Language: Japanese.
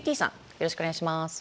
よろしくお願いします。